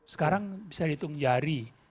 sekarang bisa dihitung jari